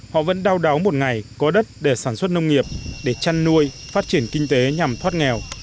họ vẫn đau đáu một ngày có đất để sản xuất nông nghiệp để chăn nuôi phát triển kinh tế nhằm thoát nghèo